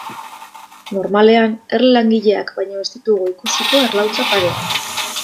Normalean, erle langileak baino ez ditugu ikusiko erlauntza parean.